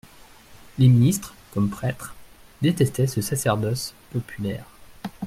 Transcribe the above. Les ministres, comme prêtres, détestaient ce sacerdoce populaire.